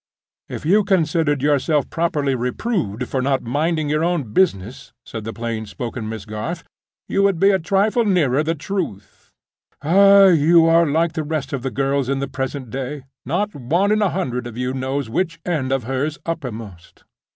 "If you considered yourself properly reproved for not minding your own business," said the plain spoken Miss Garth, "you would be a trifle nearer the truth. Ah! you are like all the rest of the girls in the present day. Not one in a hundred of you knows which end of her's uppermost."